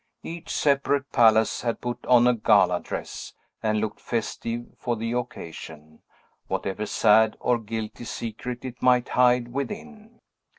Each separate palace had put on a gala dress, and looked festive for the occasion, whatever sad or guilty secret it might hide within.